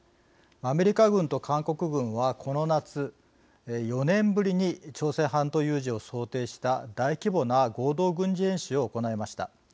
アメリカ軍と韓国軍はこの夏、４年ぶりに朝鮮半島有事を想定した大規模な合同軍事演習を行いました。